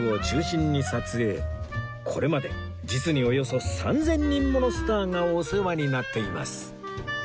これまで実におよそ３０００人ものスターがお世話になっています